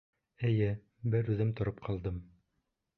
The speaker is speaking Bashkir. Эйе, бер үҙем тороп ҡалдым.